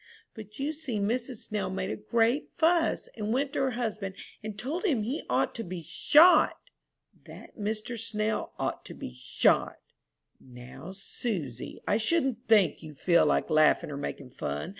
But you see Mrs. Snell made a great fuss, and went to her husband and told him he ought to be shot." "That Mr. Snell ought to be shot?" "Now, Susy, I shouldn't think you'd feel like laughing or making fun.